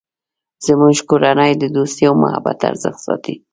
زموږ کورنۍ د دوستۍ او محبت ارزښت ساتی